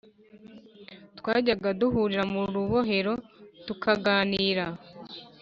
twajyaga duhurira mu rubohero, tukaganira